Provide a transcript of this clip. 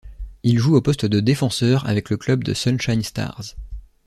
Il joue au poste de défenseur avec le club de Sunshine Stars.